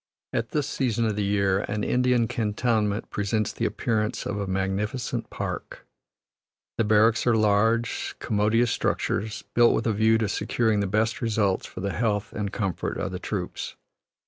At this season of the year, an Indian cantonment presents the appearance of a magnificent park. The barracks are large, commodious structures, built with a view to securing the best results for the health and comfort of the troops.